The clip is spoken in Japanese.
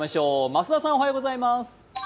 増田さんおはようございます。